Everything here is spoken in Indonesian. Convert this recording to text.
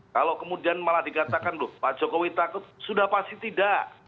kalau kemudian malah dikatakan loh pak jokowi takut sudah pasti tidak